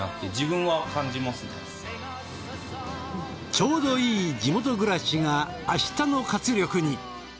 ちょうどいい地元暮らしが明日の活力に。